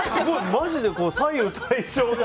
マジで左右対称で。